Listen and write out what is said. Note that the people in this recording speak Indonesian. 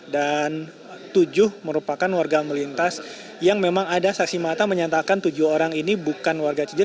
dan tujuh merupakan warga melintas yang memang ada saksi mata menyatakan tujuh orang ini bukan warga cijedil